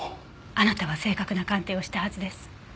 あなたは正確な鑑定をしたはずです。